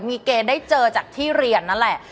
มีเกณฑ์ได้เจอจากที่เรียนนั่นแหละ